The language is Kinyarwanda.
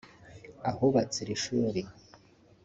ahubatse iri shuri